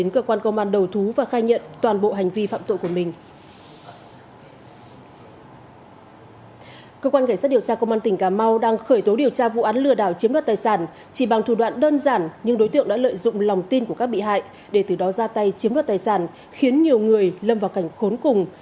cơ quan cảnh sát điều tra công an tỉnh cà mau đang khởi tố điều tra vụ án lừa đảo chiếm đoạt tài sản chỉ bằng thủ đoạn đơn giản nhưng đối tượng đã lợi dụng lòng tin của các bị hại để từ đó ra tay chiếm đoạt tài sản khiến nhiều người lâm vào cảnh khốn cùng